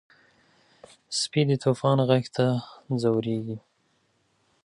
سپي د طوفان غږ ته ځورېږي.